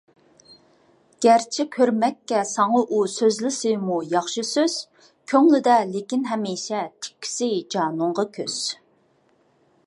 گەرچە كۆرمەككە ساڭا ئۇ سۆزلىسىمۇ ياخشى سۆز، كۆڭلىدە لېكىن ھەمىشە تىككۈسى جانىڭغا كۆز.